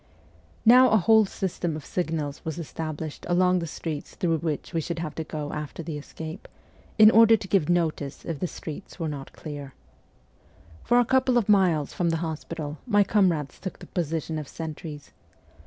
Npw a whole system of signals was established along the streets through which we should have to go after the escape, in order to give notice if the streets were not clear. For a couple of miles from the hospital my comrades took the position of sentries.